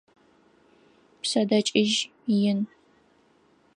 Пшъэдэкӏыжь ин.